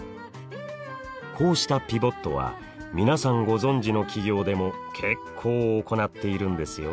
こうしたピボットは皆さんご存じの企業でも結構行っているんですよ。